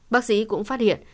bác sĩ cũng phát hiện